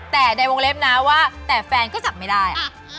แต่ในวงเล็บนะว่าแต่แฟนก็จับไม่ได้